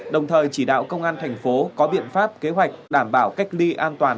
đồng thời chỉ đạo công an thành phố có biện pháp kế hoạch đảm bảo cách ly an toàn